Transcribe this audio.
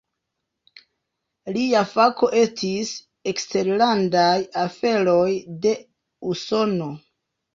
Lia fako estis eksterlandaj aferoj de Usono.